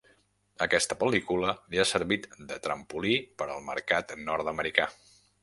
Aquesta pel·lícula li ha servit de trampolí per al mercat nord-americà.